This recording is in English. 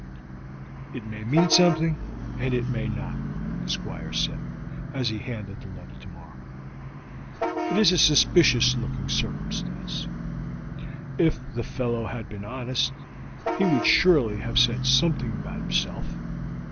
"It may mean something, and it may not," the Squire said, as he handed the letter to Mark. "It is a suspicious looking circumstance; if the fellow had been honest he would surely have said something about himself.